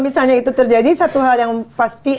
misalnya itu terjadi satu hal yang pasti